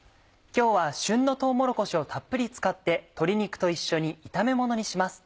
今日は旬のとうもろこしをたっぷり使って鶏肉と一緒に炒めものにします。